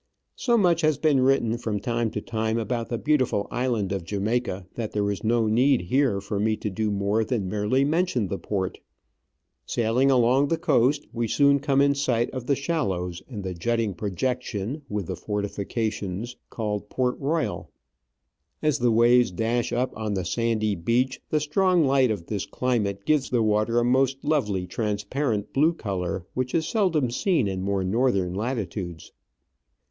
So much has been written from time to time about the beautiful island of Jamaica that there is no need here for me to do more than merely mention the port. Sailing along the coast, we soon come in sight of the shallows and the jutting projection with the fortifications called Port Royal As the waves dash up on the sandy beach the strong Digitized by VjOOQIC 2i8 Travels and Adventures light of this climate gives the water a most lovely transparent blue colour which is seldom seen in more northern latitudes.